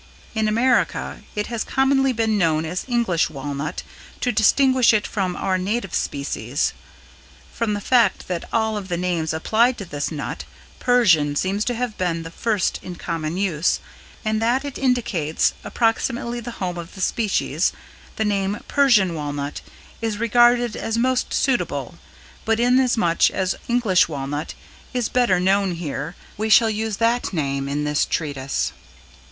In America it has commonly been known as English Walnut to distinguish it from our native species. From the fact that of all the names applied to this nut "Persian" seems to have been the first in common use, and that it indicates approximately the home of the species, the name "Persian Walnut" is regarded as most suitable, but inasmuch as "English Walnut" is better known here, we shall use that name in this treatise.